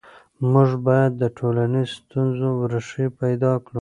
موږ باید د ټولنیزو ستونزو ریښې پیدا کړو.